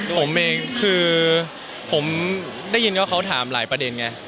ผมเองคือผมได้ยินว่าเขาถามหลายประเด็นไง